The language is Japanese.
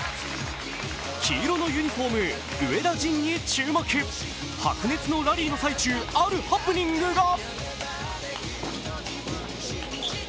黄色のユニフォーム・上田仁に注目白熱のラリーの最中あるハプニングが。